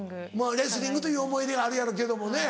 レスリングという思い出があるやろうけどもね。